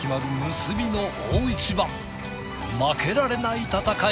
負けられない戦い。